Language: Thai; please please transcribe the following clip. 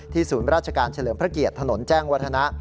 ที่ศูนย์รัชการเฉลิมพระเกียจถนนแจ้งวรรถนะ